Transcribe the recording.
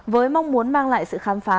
với mong muốn mang lại sự khám phá